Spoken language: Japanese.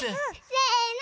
せの！